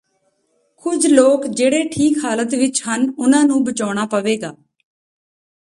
ਕੁਝ ਲੋਕ ਜਿਹੜੇ ਠੀਕ ਹਾਲਤ ਵਿੱਚ ਹਨ ਉਨ੍ਹਾਂ ਨੂੰ ਬਚਾਉਣਾ ਪਵੇਗਾ